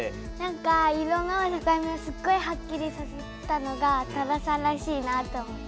色の境目をすっごいはっきりさせたのが多田さんらしいなと思って。